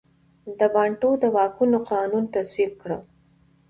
د بانټو د واکونو قانون تصویب کړ.